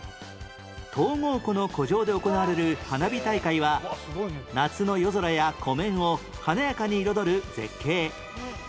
東郷湖の湖上で行われる花火大会は夏の夜空や湖面を華やかに彩る絶景